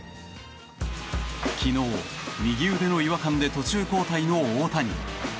昨日右腕の違和感で途中交代の大谷。